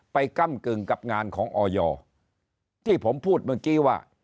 ก้ำกึ่งกับงานของออยที่ผมพูดเมื่อกี้ว่า